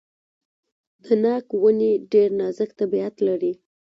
د ناک ونې ډیر نازک طبیعت لري.